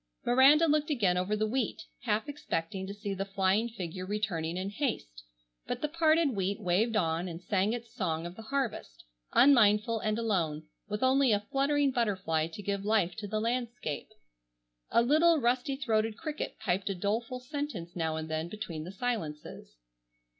Miranda looked again over the wheat, half expecting to see the flying figure returning in haste, but the parted wheat waved on and sang its song of the harvest, unmindful and alone, with only a fluttering butterfly to give life to the landscape. A little rusty throated cricket piped a doleful sentence now and then between the silences.